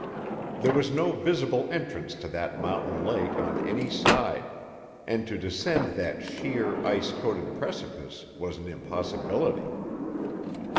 There was no visible entrance to that mountain lake on any side, and to descend that sheer, ice coated precipice was an impossibility.